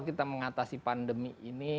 kita mengatasi pandemi ini